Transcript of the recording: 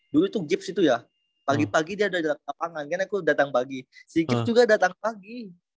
dulu tuh gibbs itu ya pagi pagi dia udah di lapangan karena aku datang pagi si gibbs juga datang pagi